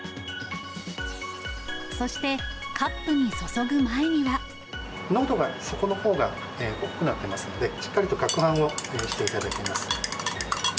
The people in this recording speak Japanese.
そして、濃度が底のほうが濃くなっていますので、しっかりとかくはんをしていただきます。